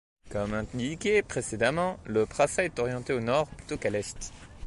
Comme indiqué précédemment, le prasat est orienté au nord plutôt qu'à l'est.